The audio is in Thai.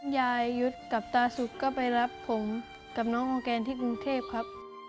ยายยุทธ์กับตาสุดก็ไปรับผมกับน้องออร์แกนที่กรุงเทพครับ